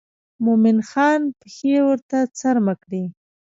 مومن خان پښې ورته څرمه کړې.